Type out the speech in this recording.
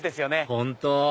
本当！